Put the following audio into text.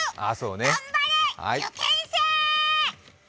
頑張れ、受験生ー！